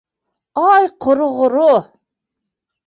— Ай, ҡороғоро.